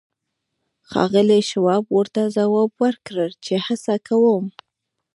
ښاغلي شواب ورته ځواب ورکړ چې هڅه کوم